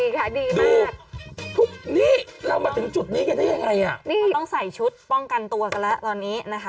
ก็ต้องใส่ชุดป้องกันตัวกันแล้วตอนนี้นะคะ